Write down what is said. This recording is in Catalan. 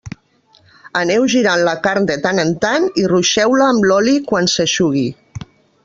Aneu girant la carn de tant en tant i ruixeu-la amb l'oli quan s'eixugui.